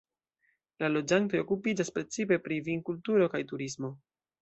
La loĝantoj okupiĝas precipe pri vinkulturo kaj turismo.